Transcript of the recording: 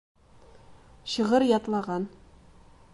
Шиғыр ятлаған.